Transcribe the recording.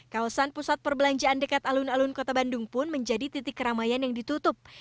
kawasan pusat perbelanjaan dekat alun alun kota bandung pun menjadi titik keramaian yang ditutup